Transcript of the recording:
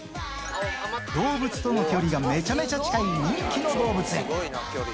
動物との距離がめちゃめちゃ近い人気の動物園。